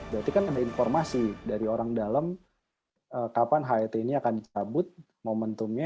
berarti kan ada informasi dari orang dalam kapan het ini akan dicabut momentumnya